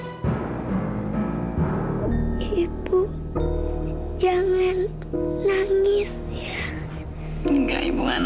maafin ibu kamu harus sembuh ya bangun nih sayang bangun